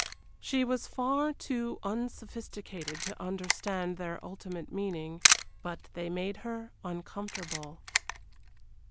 She was far too unsophisticated to understand their ultimate meaning, but they made her uncomfortable.